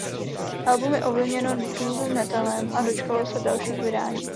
Album je ovlivněno doom metalem a dočkalo se dalších vydání.